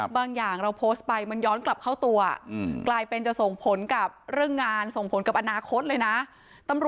บางอย่างเราโพสต์ไปมันย้อนกลับเข้าตัวกลายเป็นจะส่งผลกับเรื่องงานส่งผลกับอนาคตเลยนะ